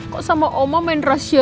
kok sama oma main rasio